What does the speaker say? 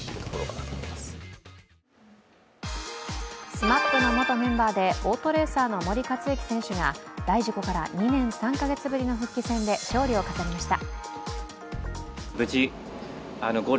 ＳＭＡＰの元メンバーでオートレーサーの森且行選手が大事故から２年３か月ぶりの復帰戦で勝利を飾りました。